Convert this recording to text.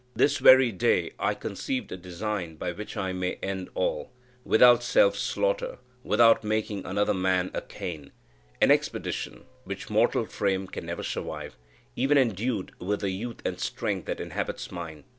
This very day I conceived a design by which I may end all without self slaughter, without making another man a Cain an expedition, which mortal frame can never survive, even endued with the youth and strength that inhabits mine.